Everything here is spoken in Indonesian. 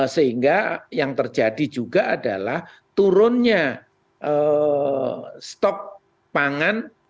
sehingga yang terjadi juga adalah turunnya stok pangan